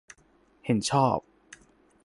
เห็นชอบ